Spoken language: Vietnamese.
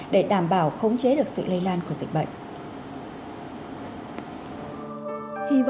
để đảm bảo khống chế được sự lây lan của dịch bệnh